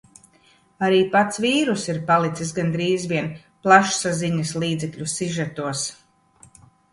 Arī pats vīruss ir palicis gandrīz vien plašsaziņas līdzekļu sižetos.